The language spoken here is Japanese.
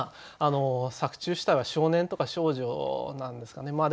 作中主体は少年とか少女なんですかね